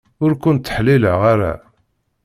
Ur ken-ttḥellileɣ ara.